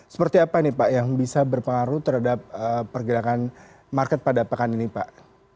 seperti apa nih pak yang bisa berpengaruh terhadap pergerakan market pada pekan ini pak